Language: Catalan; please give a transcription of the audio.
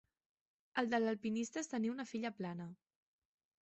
El de l'alpinista és tenir una filla plana.